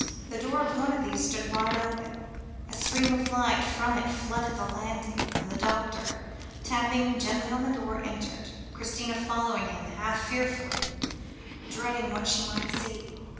The door of one of these stood wide open, a stream of light from it flooded the landing, and the doctor, tapping gently on the door, entered, Christina following him half fearfully, dreading what she might see.